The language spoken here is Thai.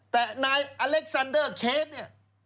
แต่นายอเล็กซันเดอร์เคสเนี่ย